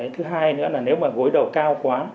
thứ hai nữa là nếu mà gối đầu cao quá